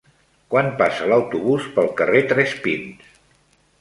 Quan passa l'autobús pel carrer Tres Pins?